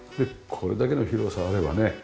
これだけの広さあればね